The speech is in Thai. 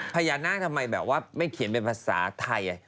พญานาคทำไมแบบว่าไม่เขียนเป็นภาษาไทย